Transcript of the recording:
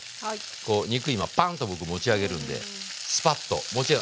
こう肉今パンッと僕持ち上げるんでスパッと油ないでしょ？